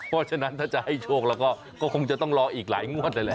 เพราะฉะนั้นถ้าจะให้โชคแล้วก็คงจะต้องรออีกหลายงวดเลยแหละ